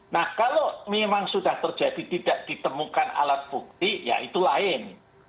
nah kalau memang sudah terjadi tidak ditemukan alat bukti ya itu lain